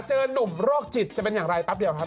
นุ่มโรคจิตจะเป็นอย่างไรแป๊บเดียวครับ